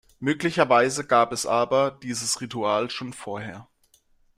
Möglicherweise gab es aber dieses Ritual schon vorher.